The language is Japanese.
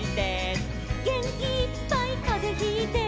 「げんきいっぱいかぜひいて」